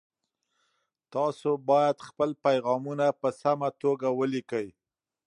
تاسي باید خپل پیغامونه په سمه توګه ولیکئ.